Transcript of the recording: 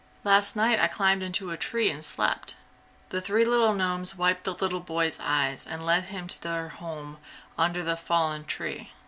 Last night I climbed into a tree and slept!" The three little gnomes wiped the little boy's eyes and led him to their home under the fallen tree.